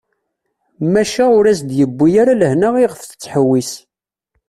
Maca ur as-d-yewwi ara lehna iɣef tettḥewwis.